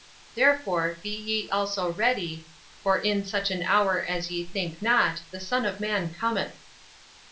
"Therefore, be ye also ready; for in such an hour as ye think not the Son of man cometh."